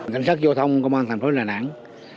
cảnh sát giao thông công an thành phố đà nẵng